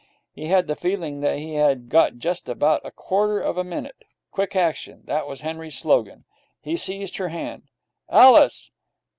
He had the feeling that he had got just about a quarter of a minute. Quick action! That was Henry's slogan. He seized her hand. 'Alice!'